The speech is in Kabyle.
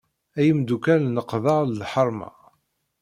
Ay imeddukal n leqder d lḥerma.